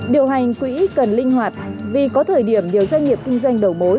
điều hành quỹ cần linh hoạt vì có thời điểm nhiều doanh nghiệp kinh doanh đầu mối